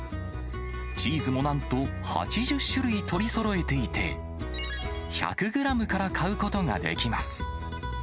チーズもなんと８０種類取りそろえていて、１００グラムから買うことができます。